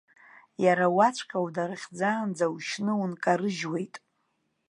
Иара уаҵәҟьа, унарыхьӡаанӡа, ушьны ункарыжьуеит.